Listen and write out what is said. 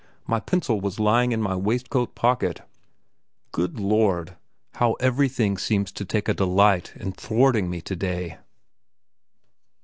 My pencil was lying in my waistcoat pocket. Good Lord! how everything seems to take a delight in thwarting me today!